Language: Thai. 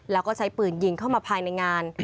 แล้วก็ใช้ปืนยิงเข้ามาภายในงาน